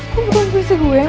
kok bukan puisi gue mel